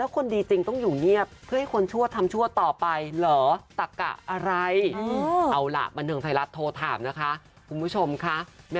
คุณผู้ชมคะแม่นี่ฉันโกรธมาก